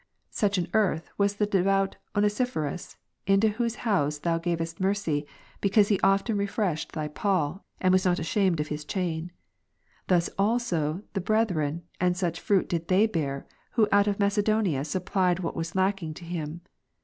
Such an 2 Tim. earth was the devout Onesiphorus, unto whose house Thou ''■ gavest mercy, because he often refreshed Thy Paul, and ivas 2 Cor. not ashamed of his chain. Thus did also the brethren, and ' such fruit did they bear, who out of Macedonia supplied what tvas lacking to him.